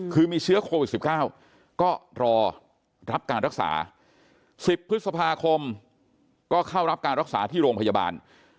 คือมีเชื้อโควิด๑๙ก็รอรับการรักษา๑๐พฤษภาคมก็เข้ารับการรักษาที่โรงพยาบาล